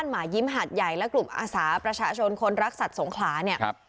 หมายิ้มหาดใหญ่และกลุ่มอาสาประชาชนคนรักสัตว์สงขลาเนี่ย